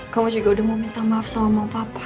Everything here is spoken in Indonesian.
kamu juga udah mau minta maaf sama pak papa